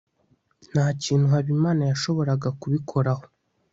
nta kintu habimana yashoboraga kubikoraho